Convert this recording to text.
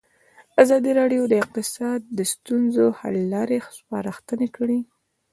ازادي راډیو د اقتصاد د ستونزو حل لارې سپارښتنې کړي.